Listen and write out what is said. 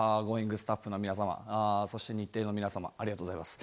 スタッフの皆様、そして日テレの皆様、ありがとうございます。